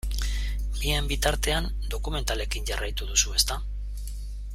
Bien bitartean dokumentalekin jarraitu duzu, ezta?